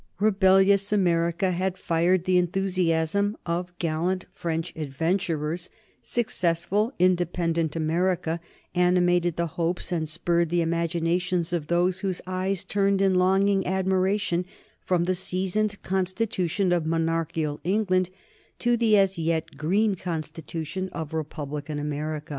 Rebellious America had fired the enthusiasm of gallant French adventurers; successful, independent America animated the hopes and spurred the imaginations of those whose eyes turned in longing admiration from the seasoned constitution of monarchical England to the as yet green constitution of republican America.